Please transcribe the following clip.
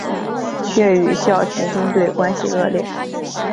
却与校田径队关系恶劣。